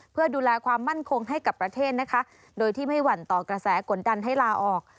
เพื่อดูแลความมั่นคงให้กับประเทศนะคะโดยที่ไม่หวั่นต่อกระแสกดดันให้ลาออก